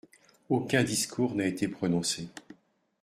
Aucun discours n'a été prononcé.